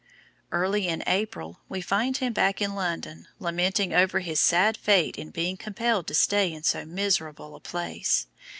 Early in April we find him back in London lamenting over his sad fate in being compelled to stay in so miserable a place.